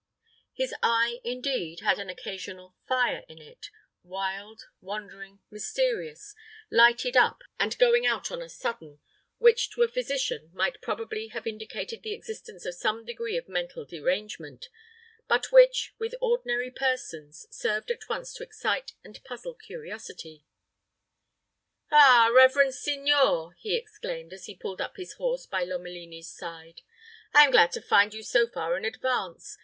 His eye, indeed, had an occasional fire in it, wild, wandering, mysterious, lighted up and going out on a sudden, which to a physician might probably have indicated the existence of some degree of mental derangement, but which, with ordinary persons, served at once to excite and puzzle curiosity. "Ah, reverend signor," he exclaimed, as he pulled up his horse by Lomelini's side, "I am glad to find you so far in advance.